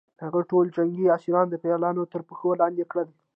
هغه ټول جنګي اسیران د پیلانو تر پښو لاندې کړل.